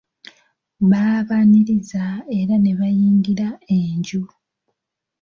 Baabaniriza era ne bayingira enju.